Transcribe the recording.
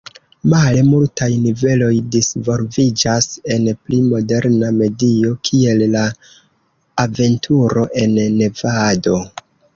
Male multaj niveloj disvolviĝas en pli moderna medio, kiel la aventuro en Nevado.